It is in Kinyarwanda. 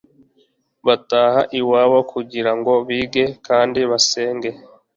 bataha iwabo kugira ngo bige kandi basenge.